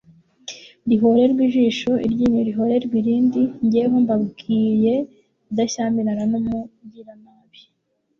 rihorerwe ijisho, iryinyo rihorerwe irindi. jyeweho mbabwiye kudashyamirana n'umugiranabi